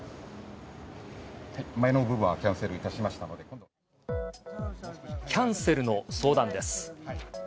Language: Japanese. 前の部分はキャンセルいたしキャンセルの相談です。